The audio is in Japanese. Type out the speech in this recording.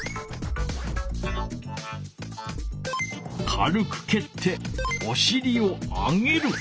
かるくけっておしりを上げる。